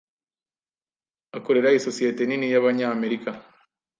Akorera isosiyete nini y'Abanyamerika.